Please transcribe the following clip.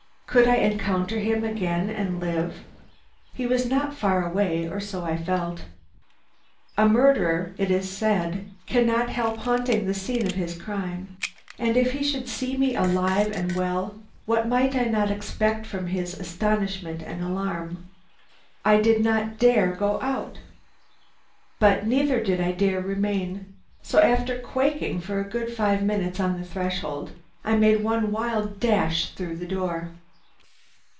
Could I encounter him again and live? He was not far away, or so I felt. A murderer, it is said, cannot help haunting the scene of his crime, and if he should see me alive and well, what might I not expect from his astonishment and alarm? I did not dare go out. But neither did I dare remain, so after quaking for a good five minutes on the threshold, I made one wild dash through the door.